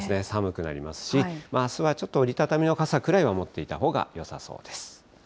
寒くなりますし、あすはちょっと折り畳みの傘くらいは持っていたほうがよさそうです。